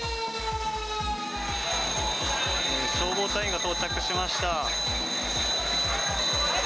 消防隊員が到着しました。